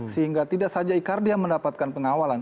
sehingga tidak saja icardi yang mendapatkan pengawalan